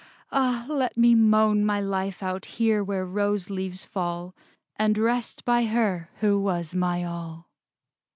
Ah, let me moan My life out here where rose leaves fall, And rest by her who was my all!